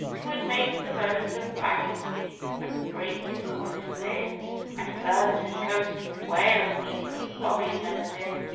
'Twould make the bones of Bacchus leap an' break his coffin lid; And Burns's ghost would wail an' weep as Bobby never did.